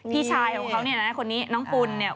พี่ชายของเขานี่น้องพุนนี่